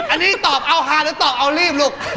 อันนี้ตอบเอาฮาหรือตอบเอารีบลูก